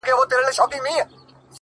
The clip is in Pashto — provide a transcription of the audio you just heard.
خو د سندرو په محل کي به دي ياده لرم،